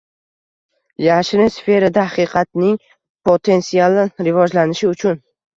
Yashirin sferada haqiqatning potensial rivojlanishi uchun